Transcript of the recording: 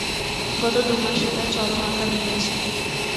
গত দু মাসে তা চরম আকার নিয়েছে।